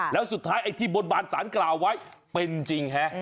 แล้วสุดท้ายไอ้ที่บนบานสารกล่าวไว้เป็นจริงฮะ